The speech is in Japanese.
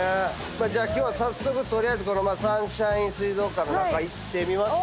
じゃあ今日は早速取りあえずこのサンシャイン水族館の中行ってみますかまずね。